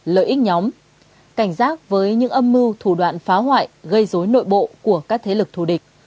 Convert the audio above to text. lợi ích nhóm cảnh giác với những âm mưu thủ đoạn phá hoại gây dối nội bộ của các thế lực thù địch